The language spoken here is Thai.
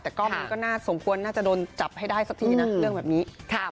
แต่กล้องนี้ก็น่าสมควรน่าจะโดนจับให้ได้สักทีนะเรื่องแบบนี้